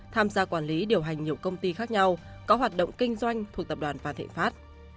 tham gia quản lý điều hành nhiều công ty khác nhau có hoạt động kinh doanh thuộc tập đoàn vạn thịnh pháp